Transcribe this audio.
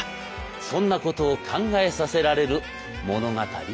そんなことを考えさせられる物語でございました。